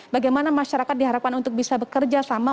bagaimana masyarakat diharapkan untuk bisa bekerja sama